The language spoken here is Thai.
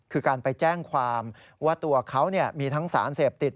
คือการไปแจ้งความว่าตัวเขามีทั้งสารเสพติด